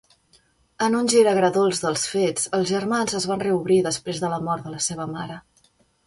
En un gir agredolç dels fets, els germans es van reobrir després de la mort de la seva mare.